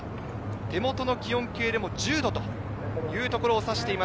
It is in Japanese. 手元の気温計でも１０度というところをさしています。